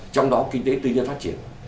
trong đó kinh tế tư nhân phát triển